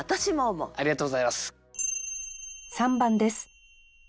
ありがとうございます。